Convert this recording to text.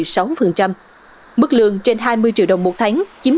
còn mức lương trên một mươi năm đến hai mươi triệu đồng một tháng chiếm một mươi sáu